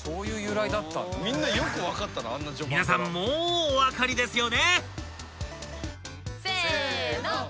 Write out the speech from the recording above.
［皆さんもうお分かりですよね？］